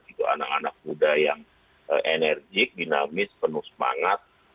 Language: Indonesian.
itu anak anak muda yang enerjik dinamis penuh semangat